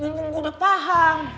nunggu udah paham